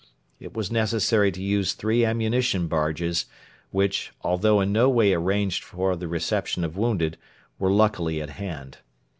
It was necessary to use three ammunition barges, which, although in no way arranged for the reception of wounded, were luckily at hand.